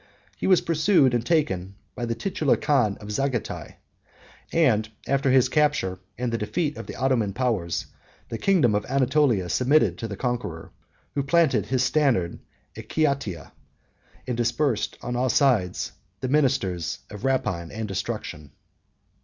He was pursued and taken by the titular khan of Zagatai; and, after his capture, and the defeat of the Ottoman powers, the kingdom of Anatolia submitted to the conqueror, who planted his standard at Kiotahia, and dispersed on all sides the ministers of rapine and destruction.